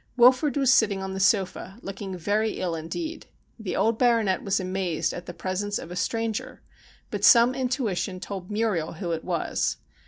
Wilfrid was sitting on the sofa looking very ill indeed. The old Baronet was amazed at the presence of a stranger, but some intuition told Muriel who it was.